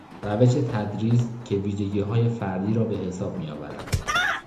روش تدریس که ویژگیهای فردی را به حساب میآورد